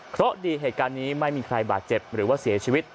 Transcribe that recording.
เพราะดีเหตุการณ์นี้ไม่มีใครบาดเจ็บหรือว่าเสียชีวิต